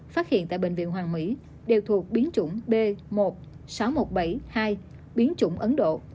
phát hiện tại bệnh viện hoàng mỹ đều thuộc biến chủng b một nghìn sáu trăm một mươi bảy hai biến chủng ấn độ